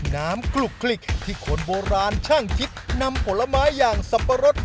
คลุกคลิกที่คนโบราณช่างคิดนำผลไม้อย่างสับปะรด